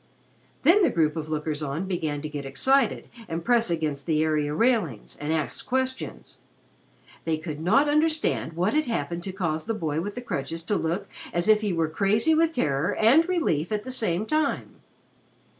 Then the group of lookers on began to get excited and press against the area railings and ask questions. They could not understand what had happened to cause the boy with the crutches to look as if he were crazy with terror and relief at the same time.